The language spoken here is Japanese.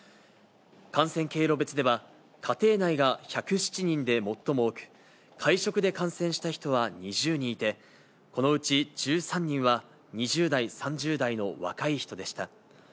感染経路別では、家庭内が１０７人で最も多く、会食で感染した人は２０人いて、このうち１３人は２０代、３０代の若い人でした。